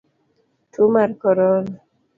Tuo mar korona.